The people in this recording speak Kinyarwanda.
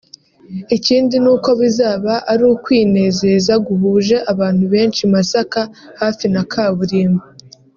Ikindi ni uko bizaba ari ukwinezeza guhuje abantu benshi i Masaka hafi na kaburimbo